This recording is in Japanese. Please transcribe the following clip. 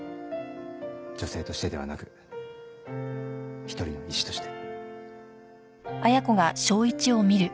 女性としてではなく一人の医師として。